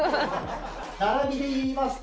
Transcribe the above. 並びで言いますと。